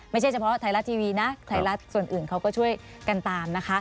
ไม่ใช่เฉพาะไทรัตย์ทีวีนะพี่รัดส่วนอื่นก็ช่วยกันตาม